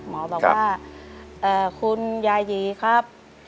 หมอบอกว่าคุณยายีครับ